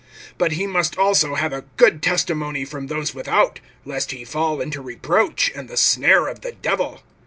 (7)But he must also have a good testimony from those without, lest he fall into reproach and the snare of the Devil.